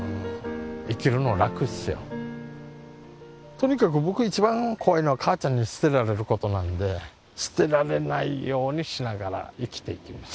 とにかく僕一番怖いのはかあちゃんに捨てられることなんで捨てられないようにしながら生きていきます